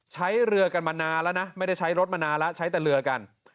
ใช้เรือกันมานานแล้วนะไม่ได้ใช้รถมานานแล้วใช้แต่เรือกัน